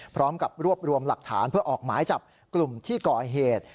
พร้อมกับรวบรวมหลักฐานเพื่อออกหมายจับกลุ่มที่ก่อเหตุ